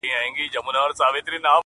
o زه.